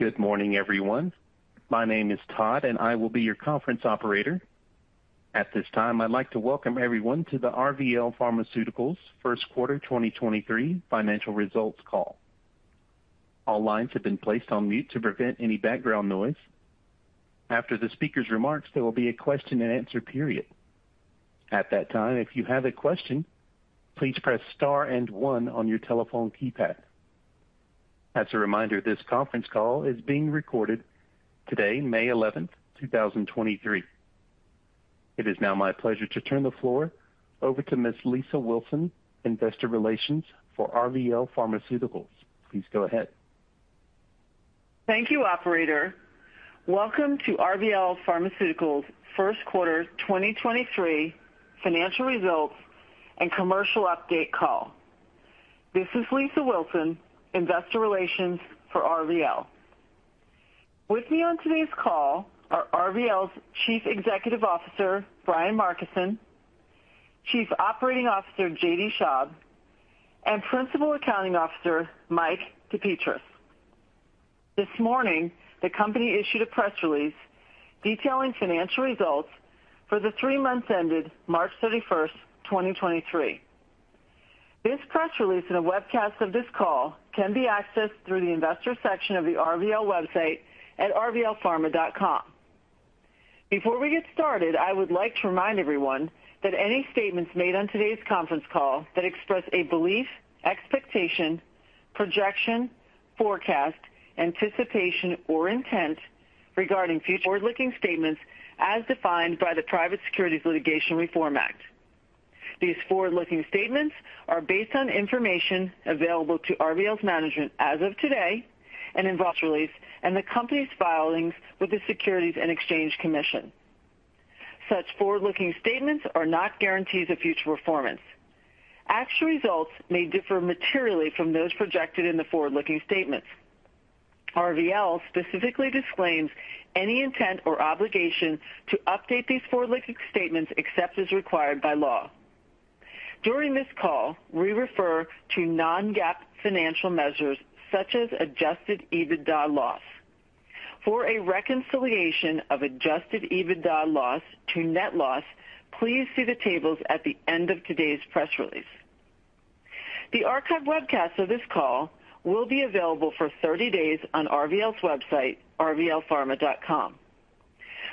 Good morning, everyone. My name is Todd, and I will be your conference operator. At this time, I'd like to welcome everyone to the RVL Pharmaceuticals' first quarter 2023 financial results call. All lines have been placed on mute to prevent any background noise. After the speaker's remarks, there will be a question-and-answer period. At that time, if you have a question, please press star and one on your telephone keypad. As a reminder, this conference call is being recorded today, May 11th, 2023. It is now my pleasure to turn the floor over to Ms. Lisa Wilson, Investor Relations for RVL Pharmaceuticals. Please go ahead. Thank you, operator. Welcome to RVL Pharmaceuticals first quarter 2023 financial results and commercial update call. This is Lisa Wilson, Investor Relations for RVL. With me on today's call are RVL's Chief Executive Officer, Brian Markison; Chief Operating Officer, JD Schaub; and Principal Accounting Officer, Mike DePetris. This morning, the company issued a press release detailing financial results for the three months ended March 31st, 2023. This press release and a webcast of this call can be accessed through the investor section of the RVL website at rvlpharma.com. Before we get started, I would like to remind everyone that any statements made on today's conference call that express a belief, expectation, projection, forecast, anticipation, or intent regarding future forward-looking statements as defined by the Private Securities Litigation Reform Act. These forward-looking statements are based on information available to RVL's management as of today and in press release and the company's filings with the Securities and Exchange Commission. Such forward-looking statements are not guarantees of future performance. Actual results may differ materially from those projected in the forward-looking statements. RVL specifically disclaims any intent or obligation to update these forward-looking statements except as required by law. During this call, we refer to non-GAAP financial measures such as adjusted EBITDA loss. For a reconciliation of adjusted EBITDA loss to net loss, please see the tables at the end of today's press release. The archived webcast of this call will be available for 30 days on RVL's website, rvlpharma.com.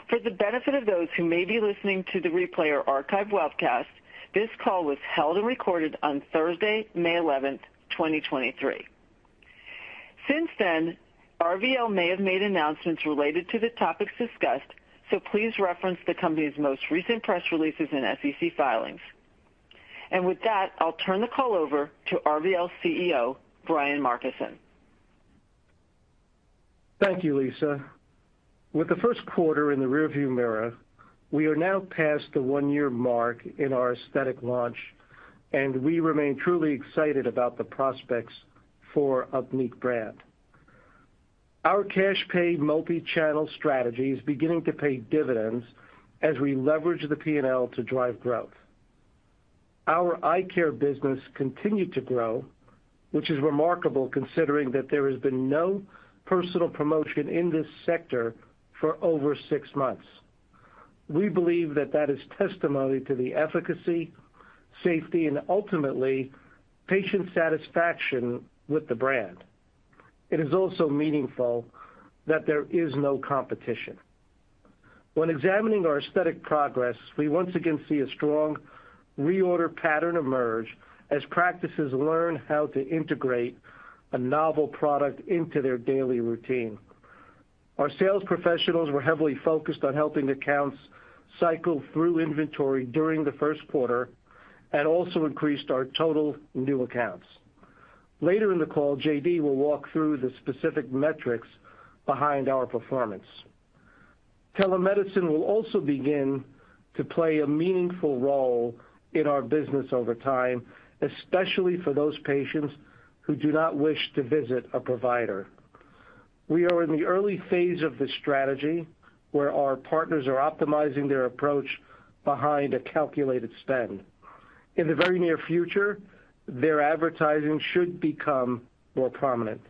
For the benefit of those who may be listening to the replay or archived webcast, this call was held and recorded on Thursday, May 11th, 2023. Since then, RVL may have made announcements related to the topics discussed, so please reference the company's most recent press releases and SEC filings. With that, I'll turn the call over to RVL's CEO, Brian Markison. Thank you, Lisa. With the first quarter in the rearview mirror, we are now past the one-year mark in our aesthetic launch, we remain truly excited about the prospects for UPNEEQ brand. Our cash pay multi-channel strategy is beginning to pay dividends as we leverage the P&L to drive growth. Our eye care business continued to grow, which is remarkable considering that there has been no personal promotion in this sector for over six months. We believe that is testimony to the efficacy, safety, and ultimately, patient satisfaction with the brand. It is also meaningful that there is no competition. When examining our aesthetic progress, we once again see a strong reorder pattern emerge as practices learn how to integrate a novel product into their daily routine. Our sales professionals were heavily focused on helping accounts cycle through inventory during the first quarter and also increased our total new accounts. Later in the call, J.D. will walk through the specific metrics behind our performance. Telemedicine will also begin to play a meaningful role in our business over time, especially for those patients who do not wish to visit a provider. We are in the early phase of this strategy, where our partners are optimizing their approach behind a calculated spend. In the very near future, their advertising should become more prominent.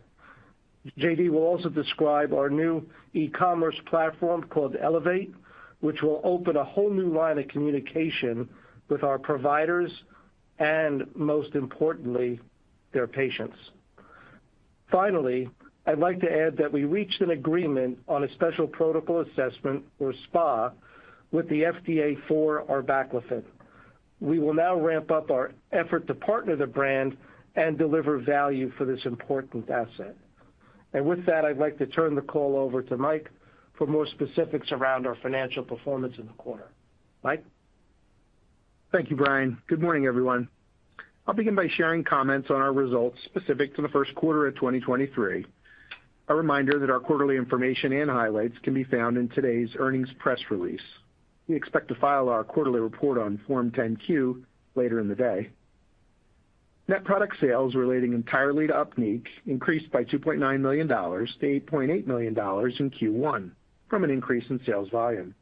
J.D. will also describe our new e-commerce platform called ELEVATE, which will open a whole new line of communication with our providers and, most importantly, their patients. Finally, I'd like to add that we reached an agreement on a special protocol assessment, or SPA, with the FDA for our baclofen. We will now ramp up our effort to partner the brand and deliver value for this important asset. With that, I'd like to turn the call over to Mike for more specifics around our financial performance in the quarter. Mike? Thank you, Brian. Good morning, everyone. I'll begin by sharing comments on our results specific to the first quarter of 2023. A reminder that our quarterly information and highlights can be found in today's earnings press release. We expect to file our quarterly report on Form 10-Q later in the day. Net product sales relating entirely to UPNEEQ increased by $2.9 million to $8.8 million in Q1 from an increase in sales volume.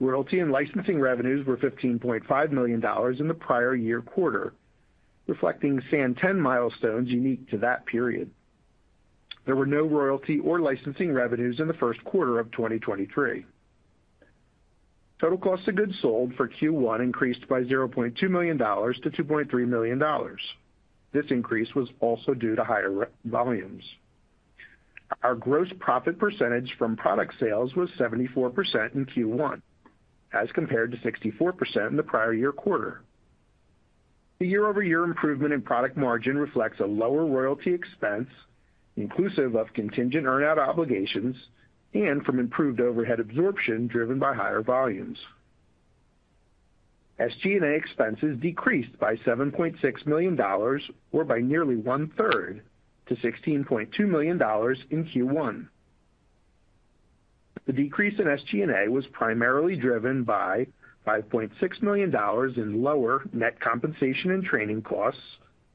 Royalty and licensing revenues were $15.5 million in the prior year quarter, reflecting Santen milestones unique to that period. There were no royalty or licensing revenues in the first quarter of 2023. Total cost of goods sold for Q1 increased by $0.2 million to $2.3 million. This increase was also due to higher volumes. Our gross profit percentage from product sales was 74% in Q1, as compared to 64% in the prior year quarter. The year-over-year improvement in product margin reflects a lower royalty expense, inclusive of contingent earn-out obligations and from improved overhead absorption driven by higher volumes. SG&A expenses decreased by $7.6 million or by nearly one-third to $16.2 million in Q1. The decrease in SG&A was primarily driven by $5.6 million in lower net compensation and training costs,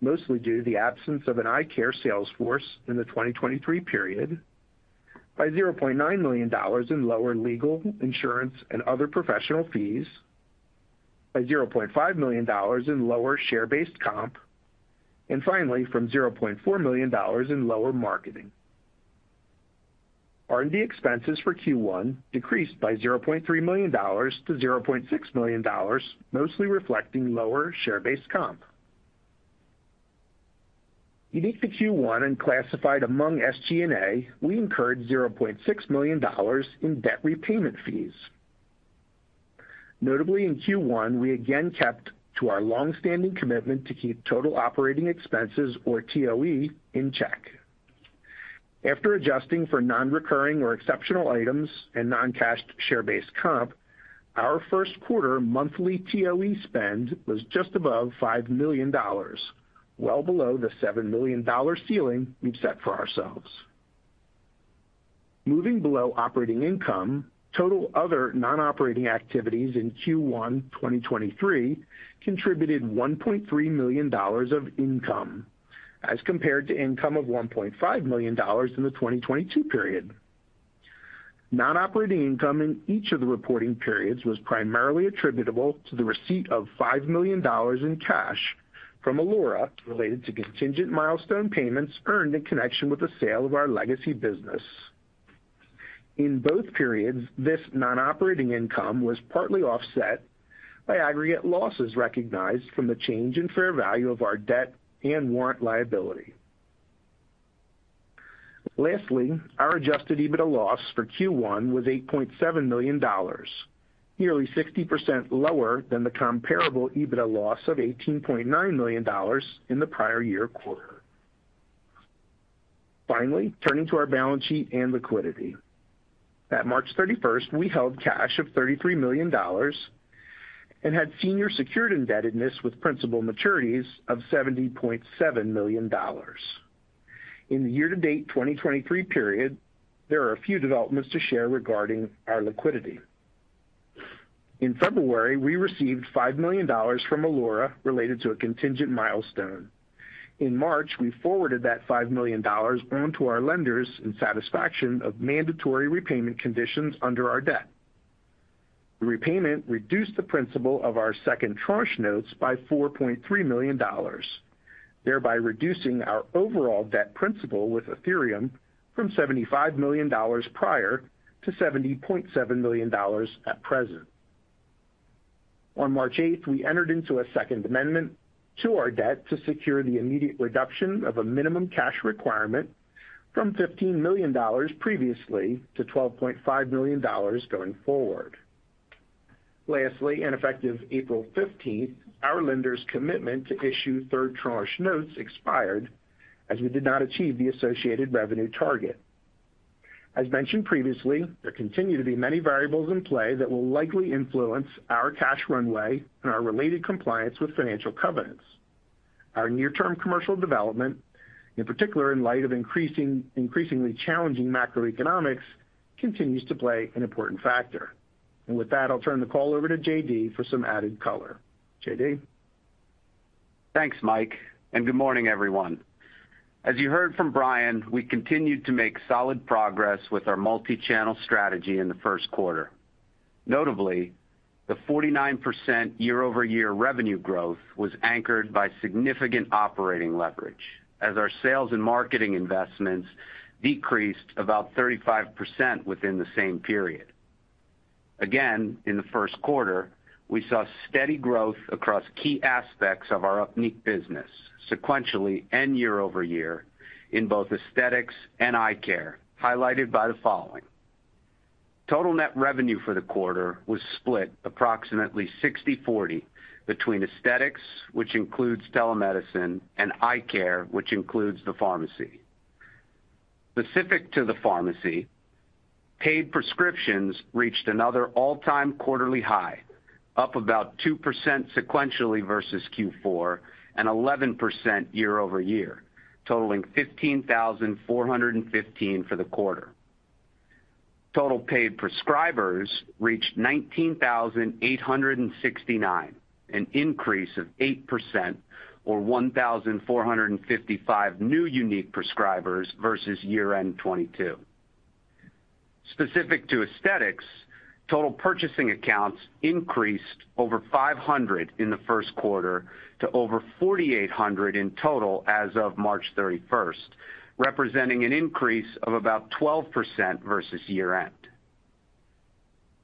mostly due to the absence of an eye care sales force in the 2023 period, by $0.9 million in lower legal insurance and other professional fees, by $0.5 million in lower share-based comp, and finally, from $0.4 million in lower marketing. R&D expenses for Q1 decreased by $0.3 million to $0.6 million, mostly reflecting lower share-based comp. Unique to Q1 and classified among SG&A, we incurred $0.6 million in debt repayment fees. Notably in Q1, we again kept to our long-standing commitment to keep total operating expenses, or TOE, in check. After adjusting for non-recurring or exceptional items and non-cash share-based comp, our first quarter monthly TOE spend was just above $5 million, well below the $7 million ceiling we've set for ourselves. Moving below operating income, total other non-operating activities in Q1 2023 contributed $1.3 million of income as compared to income of $1.5 million in the 2022 period. Non-operating income in each of the reporting periods was primarily attributable to the receipt of $5 million in cash from Alora related to contingent milestone payments earned in connection with the sale of our legacy business. In both periods, this non-operating income was partly offset by aggregate losses recognized from the change in fair value of our debt and warrant liability. Lastly, our adjusted EBITDA loss for Q1 was $8.7 million, nearly 60% lower than the comparable EBITDA loss of $18.9 million in the prior year quarter. Turning to our balance sheet and liquidity. At March 31st, we held cash of $33 million and had senior secured indebtedness with principal maturities of $70.7 million. In the year-to-date 2023 period, there are a few developments to share regarding our liquidity. In February, we received $5 million from Alora related to a contingent milestone. In March, we forwarded that $5 million on to our lenders in satisfaction of mandatory repayment conditions under our debt. The repayment reduced the principal of our second tranche notes by $4.3 million, thereby reducing our overall debt principal with Athyrium from $75 million prior to $70.7 million at present. On March eighth, we entered into a second amendment to our debt to secure the immediate reduction of a minimum cash requirement from $15 million previously to $12.5 million going forward. Lastly, effective April fifteenth, our lender's commitment to issue third tranche notes expired as we did not achieve the associated revenue target. As mentioned previously, there continue to be many variables in play that will likely influence our cash runway and our related compliance with financial covenants. Our near-term commercial development, in particular in light of increasingly challenging macroeconomics, continues to play an important factor. With that, I'll turn the call over to JD for some added color. JD? Thanks, Mike. Good morning, everyone. As you heard from Brian, we continued to make solid progress with our multi-channel strategy in the first quarter. Notably, the 49% year-over-year revenue growth was anchored by significant operating leverage as our sales and marketing investments decreased about 35% within the same period. Again, in the first quarter, we saw steady growth across key aspects of our unique business sequentially and year-over-year in both aesthetics and eye care, highlighted by the following. Total net revenue for the quarter was split approximately 60/40 between aesthetics, which includes telemedicine, and eye care, which includes the pharmacy. Specific to the pharmacy, paid prescriptions reached another all-time quarterly high, up about 2% sequentially versus Q4 and 11% year-over-year, totaling 15,415 for the quarter. Total paid prescribers reached 19,869, an increase of 8% or 1,455 new unique prescribers versus year-end 2022. Specific to aesthetics, total purchasing accounts increased over 500 in Q1 to over 4,800 in total as of March 31st, representing an increase of about 12% versus year-end.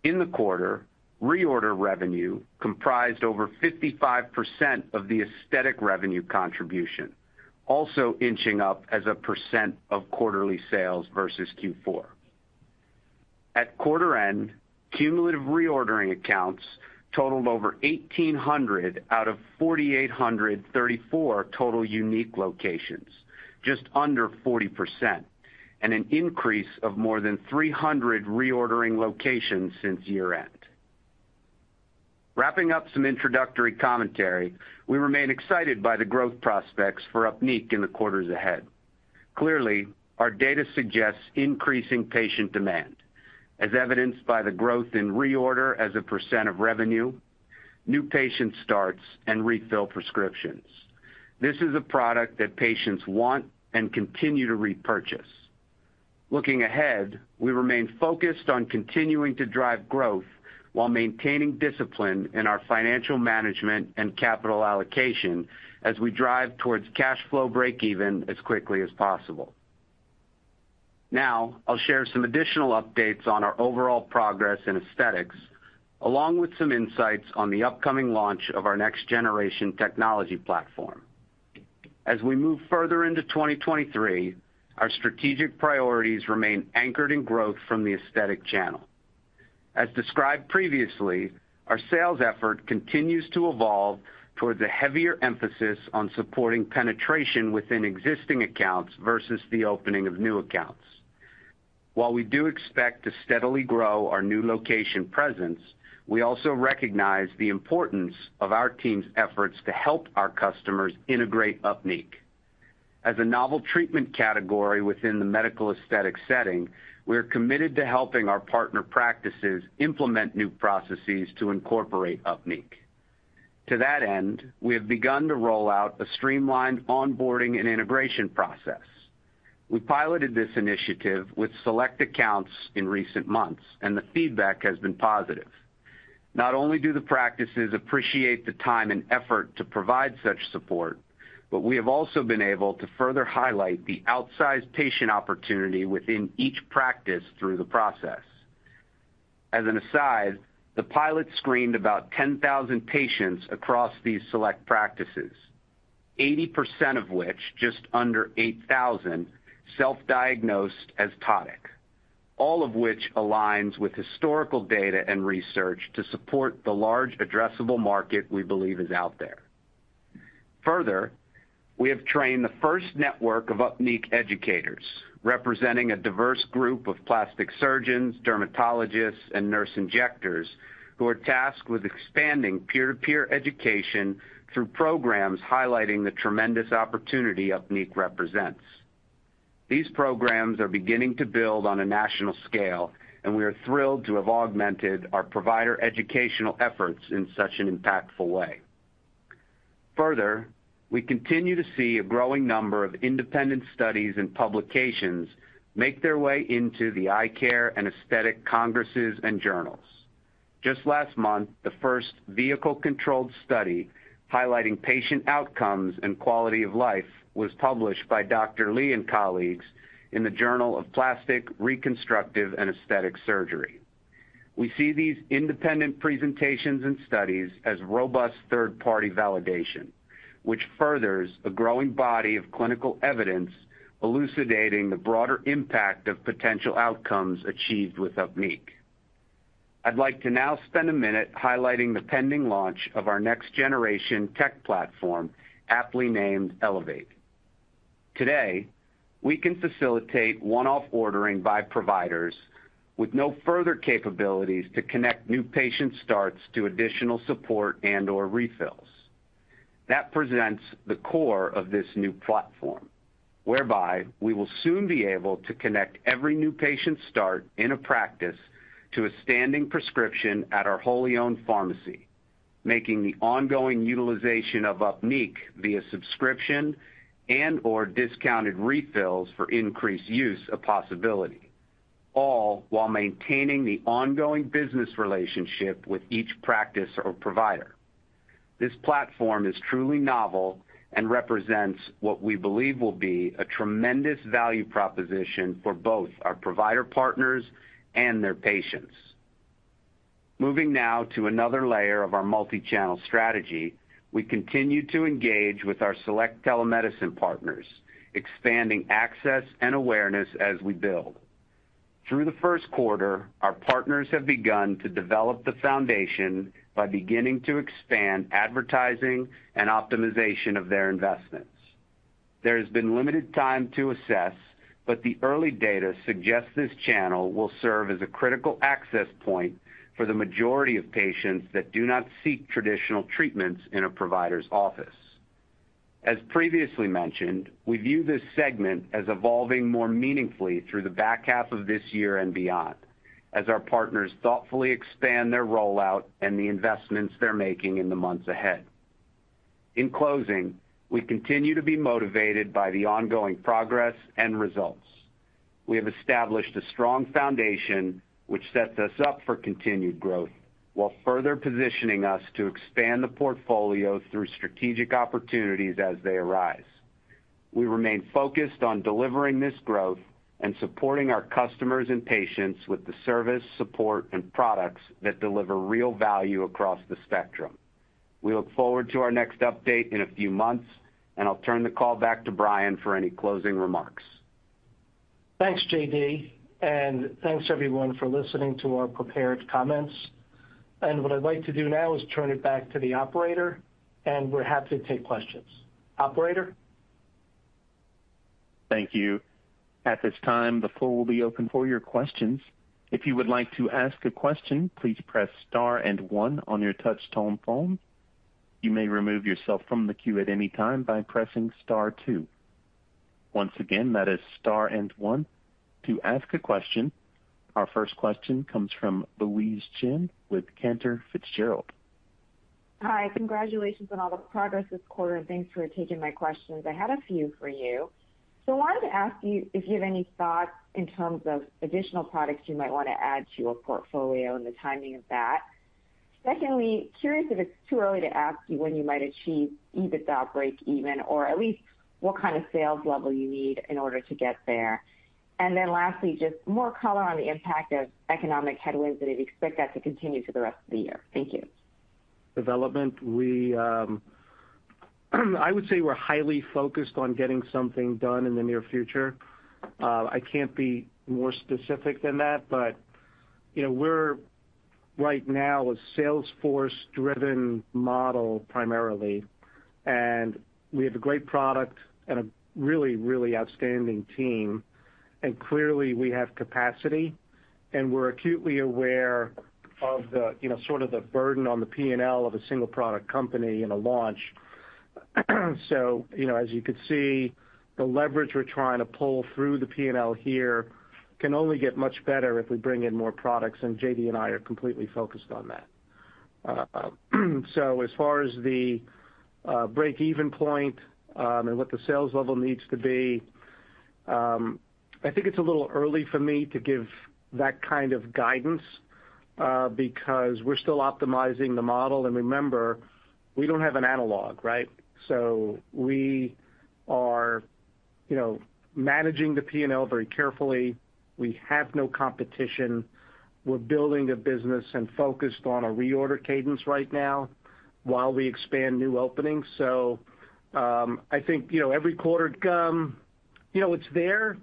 In the quarter, reorder revenue comprised over 55% of the aesthetic revenue contribution, also inching up as a percent of quarterly sales versus Q4. At quarter end, cumulative reordering accounts totaled over 1,800 out of 4,834 total unique locations, just under 40%, and an increase of more than 300 reordering locations since year-end. Wrapping up some introductory commentary, we remain excited by the growth prospects for Upneeq in the quarters ahead. Clearly, our data suggests increasing patient demand, as evidenced by the growth in reorder as a % of revenue, new patient starts, and refill prescriptions. This is a product that patients want and continue to repurchase. Looking ahead, we remain focused on continuing to drive growth while maintaining discipline in our financial management and capital allocation as we drive towards cash flow breakeven as quickly as possible. I'll share some additional updates on our overall progress in aesthetics, along with some insights on the upcoming launch of our next-generation technology platform. We move further into 2023, our strategic priorities remain anchored in growth from the aesthetic channel. Described previously, our sales effort continues to evolve towards a heavier emphasis on supporting penetration within existing accounts versus the opening of new accounts. While we do expect to steadily grow our new location presence, we also recognize the importance of our team's efforts to help our customers integrate UPNEEQ. As a novel treatment category within the medical aesthetic setting, we're committed to helping our partner practices implement new processes to incorporate UPNEEQ. To that end, we have begun to roll out a streamlined onboarding and integration process. We piloted this initiative with select accounts in recent months, and the feedback has been positive. Not only do the practices appreciate the time and effort to provide such support, but we have also been able to further highlight the outsized patient opportunity within each practice through the process. As an aside, the pilot screened about 10,000 patients across these select practices, 80% of which, just under 8,000, self-diagnosed as ptosis, all of which aligns with historical data and research to support the large addressable market we believe is out there. We have trained the first network of UPNEEQ educators, representing a diverse group of plastic surgeons, dermatologists, and nurse injectors who are tasked with expanding peer-to-peer education through programs highlighting the tremendous opportunity UPNEEQ represents. These programs are beginning to build on a national scale, and we are thrilled to have augmented our provider educational efforts in such an impactful way. We continue to see a growing number of independent studies and publications make their way into the eye care and aesthetic congresses and journals. Just last month, the first vehicle-controlled study highlighting patient outcomes and quality of life was published by Wendy Lee and colleagues in the Journal of Plastic, Reconstructive & Aesthetic Surgery. We see these independent presentations and studies as robust third-party validation, which furthers a growing body of clinical evidence elucidating the broader impact of potential outcomes achieved with UPNEEQ. I'd like to now spend a minute highlighting the pending launch of our next-generation tech platform, aptly named ELEVATE. Today, we can facilitate one-off ordering by providers with no further capabilities to connect new patient starts to additional support and/or refills. That presents the core of this new platform, whereby we will soon be able to connect every new patient start in a practice to a standing prescription at our wholly owned pharmacy, making the ongoing utilization of UPNEEQ via subscription and/or discounted refills for increased use a possibility, all while maintaining the ongoing business relationship with each practice or provider. This platform is truly novel and represents what we believe will be a tremendous value proposition for both our provider partners and their patients. Moving now to another layer of our multi-channel strategy, we continue to engage with our select telemedicine partners, expanding access and awareness as we build. Through the first quarter, our partners have begun to develop the foundation by beginning to expand advertising and optimization of their investments. There has been limited time to assess, but the early data suggests this channel will serve as a critical access point for the majority of patients that do not seek traditional treatments in a provider's office. As previously mentioned, we view this segment as evolving more meaningfully through the back half of this year and beyond as our partners thoughtfully expand their rollout and the investments they're making in the months ahead. In closing, we continue to be motivated by the ongoing progress and results. We have established a strong foundation which sets us up for continued growth while further positioning us to expand the portfolio through strategic opportunities as they arise. We remain focused on delivering this growth and supporting our customers and patients with the service, support, and products that deliver real value across the spectrum. We look forward to our next update in a few months. I'll turn the call back to Brian for any closing remarks. Thanks, J.D., and thanks, everyone, for listening to our prepared comments. What I'd like to do now is turn it back to the operator, and we're happy to take questions. Operator? Thank you. At this time, the floor will be open for your questions. If you would like to ask a question, please press star and one on your touch-tone phone. You may remove yourself from the queue at any time by pressing star two. Once again, that is star and one to ask a question. Our first question comes from Louise Chen with Cantor Fitzgerald. Hi. Congratulations on all the progress this quarter, and thanks for taking my questions. I had a few for you. I wanted to ask you if you have any thoughts in terms of additional products you might want to add to your portfolio and the timing of that. Secondly, curious if it's too early to ask you when you might achieve EBITDA breakeven, or at least what kind of sales level you need in order to get there. Lastly, just more color on the impact of economic headwinds and if you expect that to continue for the rest of the year. Thank you. Development, we, I would say we're highly focused on getting something done in the near future. I can't be more specific than that. You know, we're right now a salesforce-driven model primarily, and we have a great product and a really outstanding team. Clearly, we have capacity, and we're acutely aware of the, you know, sort of the burden on the P&L of a single product company in a launch. You know, as you can see, the leverage we're trying to pull through the P&L here can only get much better if we bring in more products, and J.D. and I are completely focused on that. So as far as the breakeven point, and what the sales level needs to be, I think it's a little early for me to give that kind of guidance, because we're still optimizing the model. Remember, we don't have an analog, right? We are, you know, managing the P&L very carefully. We have no competition. We're building a business and focused on a reorder cadence right now while we expand new openings. I think, you know, every quarter come, you know, it's there.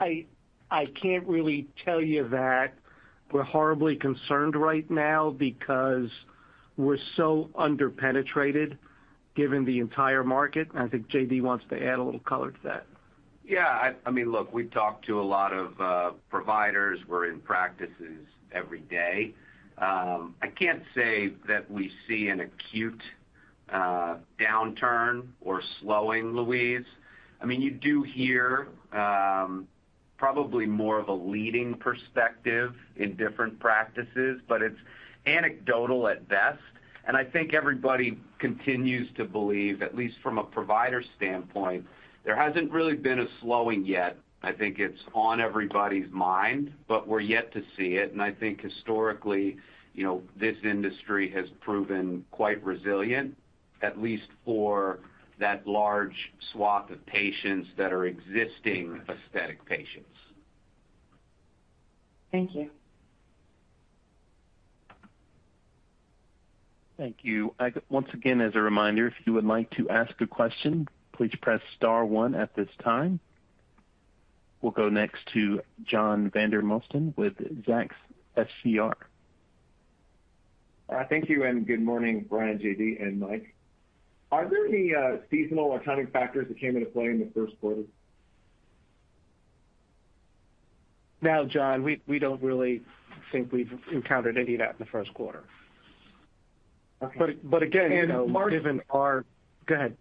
I can't really tell you that we're horribly concerned right now because we're so under-penetrated given the entire market, I think J.D. wants to add a little color to that. Yeah. I mean, look, we've talked to a lot of providers. We're in practices every day. I can't say that we see an acute downturn or slowing, Louise. I mean, you do hear probably more of a leading perspective in different practices, but it's anecdotal at best. I think everybody continues to believe, at least from a provider standpoint, there hasn't really been a slowing yet. I think it's on everybody's mind, but we're yet to see it. I think historically, you know, this industry has proven quite resilient, at least for that large swath of patients that are existing aesthetic patients. Thank you. Thank you. Once again, as a reminder, if you would like to ask a question, please press star one at this time. We'll go next to John Vandermosten with Zacks SCR. Thank you, and good morning, Brian, J.D., and Mike. Are there any seasonal or timing factors that came into play in the first quarter? No, John, we don't really think we've encountered any of that in the first quarter. Okay. but again, you know, given margins. Go ahead.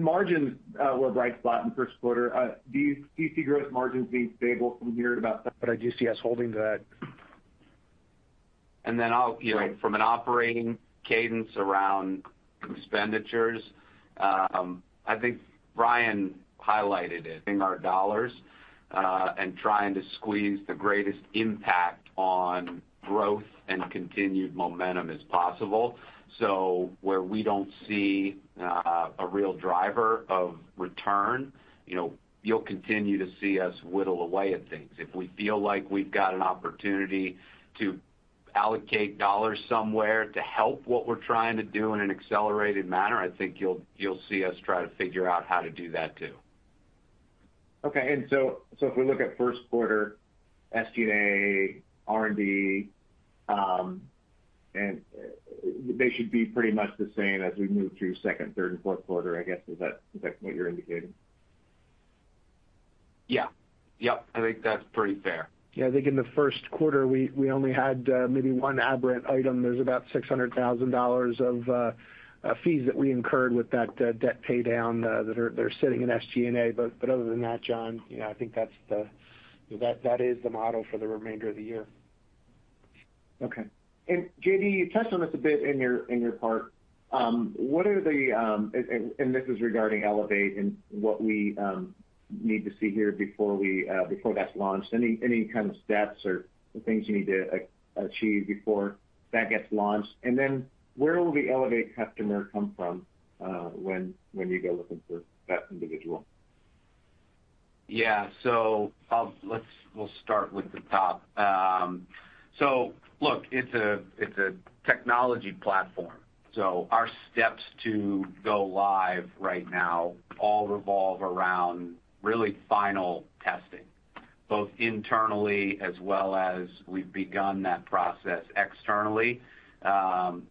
Margins were bright spot in the first quarter. Do you see gross margins being stable from here about that? I do see us holding to that. I'll, you know, from an operating cadence around expenditures, I think Brian highlighted it in our dollars, and trying to squeeze the greatest impact on growth and continued momentum as possible. Where we don't see a real driver of return, you know, you'll continue to see us whittle away at things. If we feel like we've got an opportunity to allocate dollars somewhere to help what we're trying to do in an accelerated manner, I think you'll see us try to figure out how to do that too. Okay. If we look at first quarter SG&A, R&D, they should be pretty much the same as we move through second, third, and fourth quarter, I guess. Is that what you're indicating? Yeah. Yep. I think that's pretty fair. Yeah. I think in the first quarter, we only had maybe one aberrant item. There's about $600,000 of fees that we incurred with that debt pay down that are sitting in SG&A. Other than that, John, you know, I think that's the model for the remainder of the year. Okay. J.D., you touched on this a bit in your, in your part. What are the... This is regarding ELEVATE and what we need to see here before that's launched. Any, any kind of steps or the things you need to achieve before that gets launched? Then where will the ELEVATE customer come from when you go looking for that individual? Yeah. We'll start with the top. Look, it's a technology platform. Our steps to go live right now all revolve around really final testing, both internally as well as we've begun that process externally,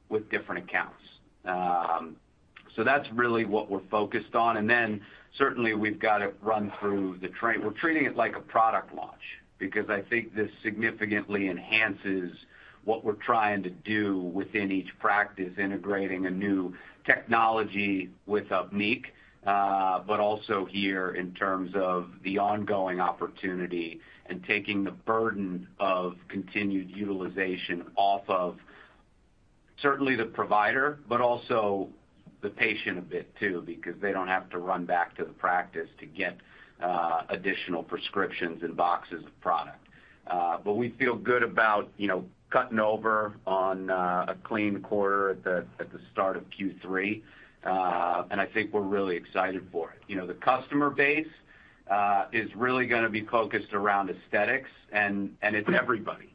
with different accounts. That's really what we're focused on. Certainly we've got to run through the train. We're treating it like a product launch because I think this significantly enhances what we're trying to do within each practice, integrating a new technology with UPNEEQ, but also here in terms of the ongoing opportunity and taking the burden of continued utilization off of certainly the provider, but also the patient a bit too, because they don't have to run back to the practice to get additional prescriptions and boxes of product. We feel good about, you know, cutting over on a clean quarter at the start of Q3. I think we're really excited for it. You know, the customer base is really gonna be focused around aesthetics and it's everybody.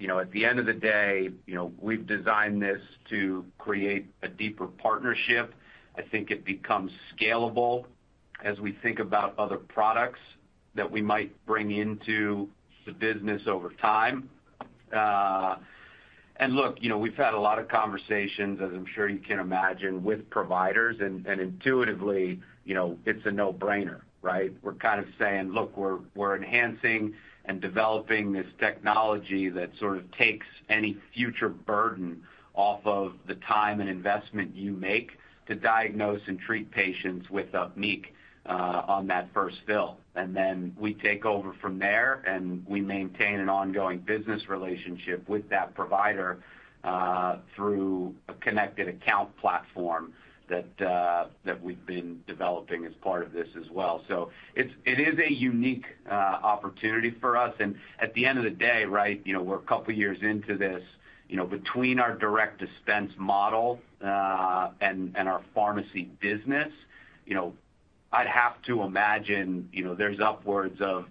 You know, at the end of the day, you know, we've designed this to create a deeper partnership. I think it becomes scalable as we think about other products that we might bring into the business over time. Look, you know, we've had a lot of conversations, as I'm sure you can imagine, with providers and intuitively, you know, it's a no-brainer, right? We're kind of saying, "Look, we're enhancing and developing this technology that sort of takes any future burden off of the time and investment you make to diagnose and treat patients with UPNEEQ on that first fill." Then we take over from there, and we maintain an ongoing business relationship with that provider through a connected account platform that we've been developing as part of this as well. It is a unique opportunity for us. At the end of the day, right, you know, we're a couple of years into this, you know, between our direct dispense model and our pharmacy business, you know, I'd have to imagine, you know, there's upwards of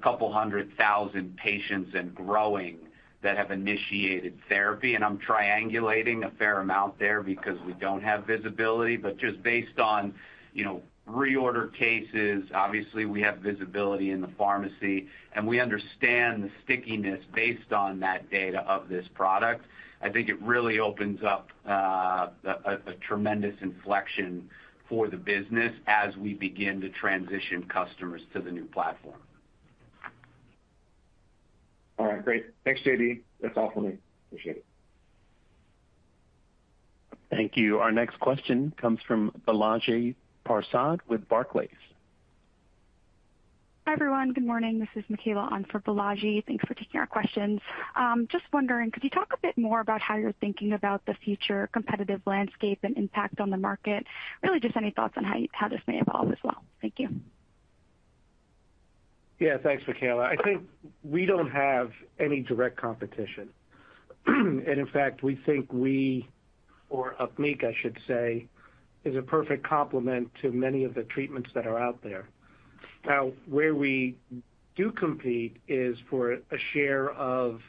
200,000 patients and growing that have initiated therapy. I'm triangulating a fair amount there because we don't have visibility. Just based on, you know, reorder cases, obviously we have visibility in the pharmacy, and we understand the stickiness based on that data of this product. I think it really opens up a tremendous inflection for the business as we begin to transition customers to the new platform. All right. Great. Thanks, J.D. That's all for me. Appreciate it. Thank you. Our next question comes from Balaji Prasad with Barclays. Hi, everyone. Good morning. This is Michaela on for Balaji. Thanks for taking our questions. Just wondering, could you talk a bit more about how you're thinking about the future competitive landscape and impact on the market? Really just any thoughts on how this may evolve as well. Thank you. Yeah. Thanks, Michaela. I think we don't have any direct competition. In fact, we think we or UPNEEQ, I should say, is a perfect complement to many of the treatments that are out there. Now, where we do compete is for a share of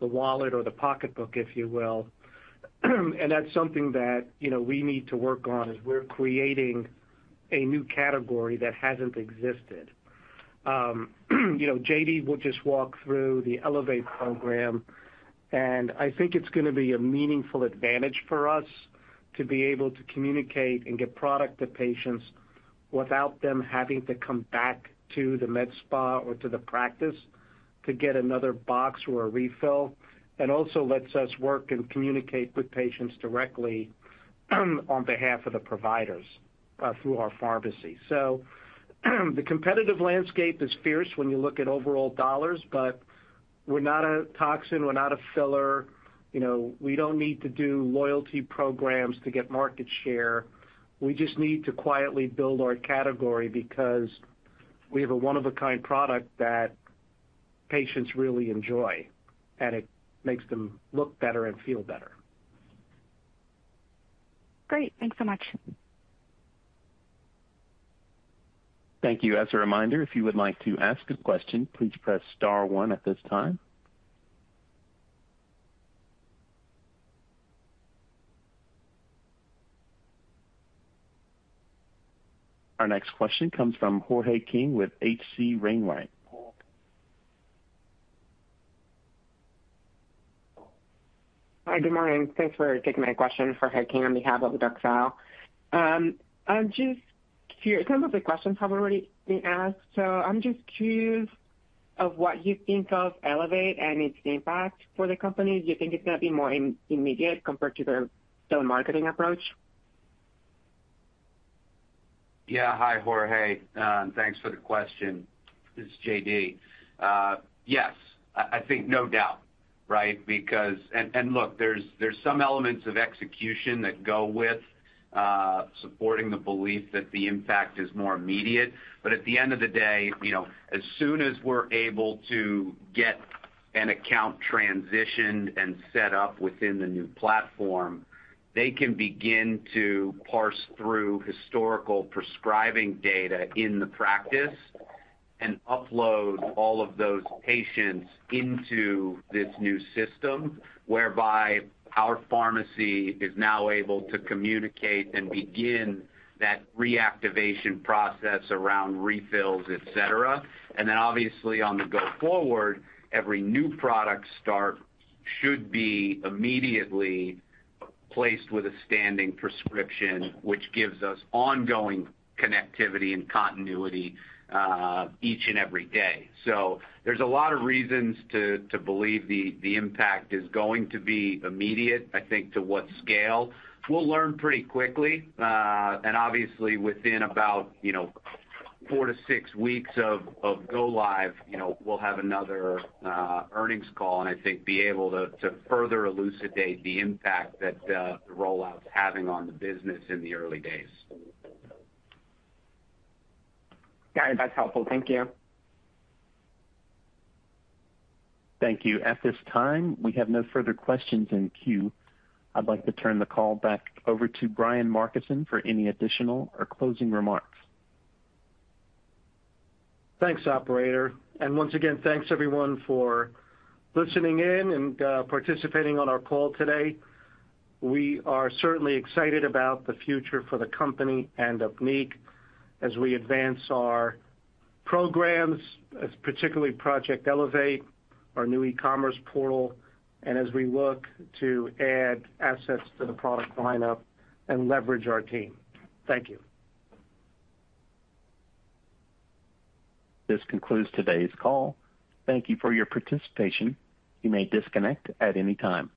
the wallet or the pocketbook, if you will. That's something that, you know, we need to work on as we're creating a new category that hasn't existed. You know, J.D. will just walk through the ELEVATE program, and I think it's gonna be a meaningful advantage for us to be able to communicate and get product to patients without them having to come back to the med spa or to the practice to get another box or a refill. Also lets us work and communicate with patients directly on behalf of the providers, through our pharmacy. The competitive landscape is fierce when you look at overall dollars, but we're not a toxin, we're not a filler. You know, we don't need to do loyalty programs to get market share. We just need to quietly build our category because we have a one-of-a-kind product that patients really enjoy, and it makes them look better and feel better. Great. Thanks so much. Thank you. As a reminder, if you would like to ask a question, please press star one at this time. Our next question comes from Jorge King with H.C. Wainwright & Co. Hi. Good morning. Thanks for taking my question. Jorge King on behalf of the Doug Tsao. Some of the questions have already been asked, so I'm just curious of what you think of ELEVATE and its impact for the company. Do you think it's gonna be more immediate compared to the still marketing approach? Yeah. Hi, Douglas. Thanks for the question. This is James. Yes. I think no doubt, right? Because... Look, there's some elements of execution that go with supporting the belief that the impact is more immediate. At the end of the day, you know, as soon as we're able to get an account transitioned and set up within the new platform, they can begin to parse through historical prescribing data in the practice and upload all of those patients into this new system, whereby our pharmacy is now able to communicate and begin that reactivation process around refills, et cetera. Obviously on the go forward, every new product start should be immediately placed with a standing prescription, which gives us ongoing connectivity and continuity each and every day. There's a lot of reasons to believe the impact is going to be immediate. I think to what scale, we'll learn pretty quickly. Obviously within about, you know, four to six weeks of go live, you know, we'll have another earnings call, and I think be able to further elucidate the impact that the rollout's having on the business in the early days. Got it. That's helpful. Thank you. Thank you. At this time, we have no further questions in queue. I'd like to turn the call back over to Brian Markison for any additional or closing remarks. Thanks, operator. Once again, thanks everyone for listening in and participating on our call today. We are certainly excited about the future for the company and of UPNEEQ as we advance our programs, as particularly Project ELEVATE, our new e-commerce portal, and as we look to add assets to the product lineup and leverage our team. Thank you. This concludes today's call. Thank you for your participation. You may disconnect at any time.